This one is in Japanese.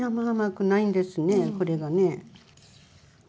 これがね。